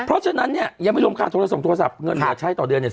เพราะฉะนั้นเนี่ยยังไม่รวมค่าโทรส่งโทรศัพท์เงินเหลือใช้ต่อเดือนเนี่ย